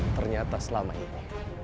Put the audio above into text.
ternyata selama ini